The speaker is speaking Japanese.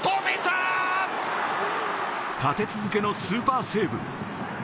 立て続けのスーパーセーブ。